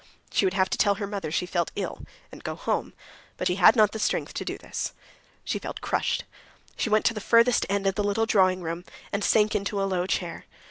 She would have to tell her mother she felt ill and go home, but she had not the strength to do this. She felt crushed. She went to the furthest end of the little drawing room and sank into a low chair.